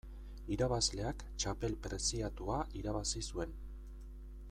Irabazleak txapel preziatua irabazi zuen.